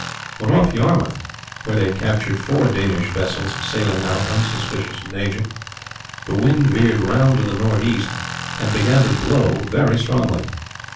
When off Yarmouth, where they had captured four Danish vessels sailing out unsuspicious of danger, the wind veered round to the north east and began to blow very strongly.